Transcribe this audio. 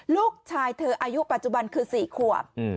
ลูกชายเธออายุปัจจุบันคือ๔ขวบ